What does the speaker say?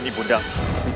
ini adalah masalah saya